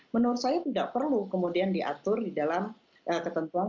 menurut saya tidak perlu kemudian diatur di dalam ketentuan